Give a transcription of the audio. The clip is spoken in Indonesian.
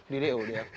di do dia